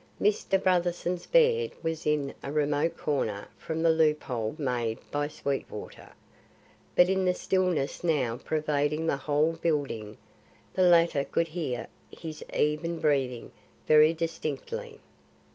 Mr. Brotherson's bed was in a remote corner from the loop hole made by Sweetwater; but in the stillness now pervading the whole building, the latter could hear his even breathing very distinctly.